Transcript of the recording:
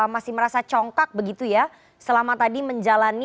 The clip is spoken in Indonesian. masih merasa congkak begitu ya selama tadi menjalani